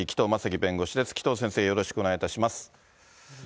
紀藤先生、よろしくお願いいたします。